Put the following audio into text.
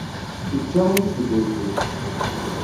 Ičča ul-is deg urkul.